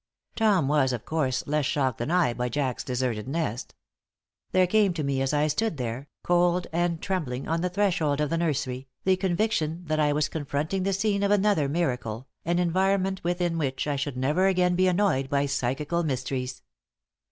Tom was, of course, less shocked than I by Jack's deserted nest. There came to me, as I stood there, cold and trembling, on the threshold of the nursery, the conviction that I was confronting the scene of another miracle, an environment within which I should never again be annoyed by psychical mysteries.